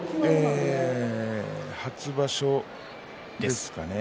初場所ですかね。